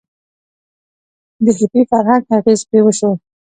د هیپي فرهنګ اغیز پرې وشو.